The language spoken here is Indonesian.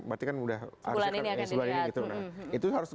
jadi itu kan sudah harus